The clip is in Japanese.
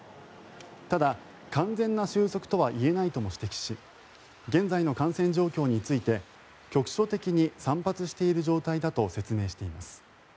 ただ、完全な収束とは言えないとも指摘し現在の感染状況について局所的に散発している状態だと説明しています。